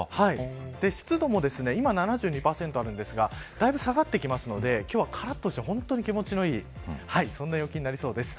湿度も今、７２％あるんですがだいぶ下がってくるので今日はからっとして本当に気持ちのいいそんな陽気になりそうです。